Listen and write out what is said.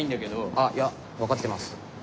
あっいや分かってます。